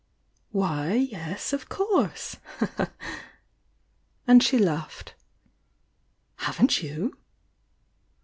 "Why, yes, of course!" and she laughed. "Haven't you?"